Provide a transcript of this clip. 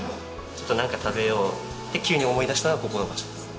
ちょっとなんか食べようって急に思い出したのがここの場所です。